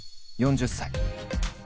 ４０歳。